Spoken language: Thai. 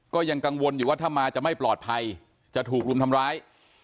ก็ยังกังวลอยู่ว่าถ้ามาจะไม่ปลอดภัยจะถูกรุมทำร้าย